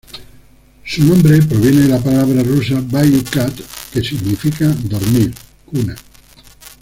Su nombre proviene de la palabra rusa "баюкать", que significa dormir.